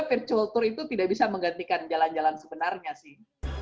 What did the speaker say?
virtual tour itu tidak bisa menggantikan jalan jalan sebenarnya sih